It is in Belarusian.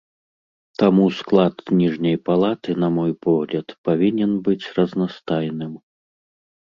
Таму склад ніжняй палаты, на мой погляд, павінен быць разнастайным.